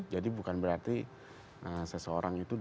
jadi bukan berarti seseorang itu di